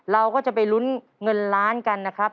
เราก็จะไปลุ้นเงินล้านกันนะครับ